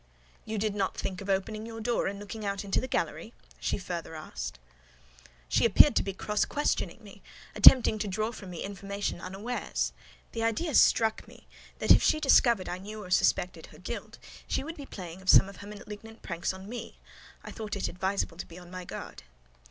"You did not think of opening your door and looking out into the gallery?" she further asked. She appeared to be cross questioning me, attempting to draw from me information unawares. The idea struck me that if she discovered I knew or suspected her guilt, she would be playing of some of her malignant pranks on me; I thought it advisable to be on my guard.